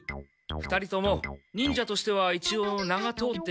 ２人とも忍者としてはいちおう名が通っているから。